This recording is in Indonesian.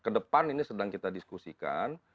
kedepan ini sedang kita diskusikan